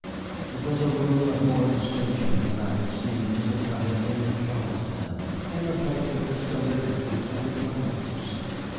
It was a room of more distinction than I had seen since I had been in Charlestown, and reflected the solidity of its owners.